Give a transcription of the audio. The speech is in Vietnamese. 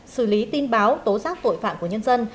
xử lý tin báo tố giác tội phạm của nhân dân